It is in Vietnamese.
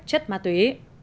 chất ma túy